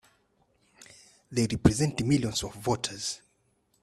They represent millions of voters!